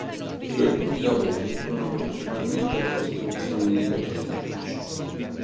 I suoi primi lavori furono principalmente ricostruzioni di vecchi edifici.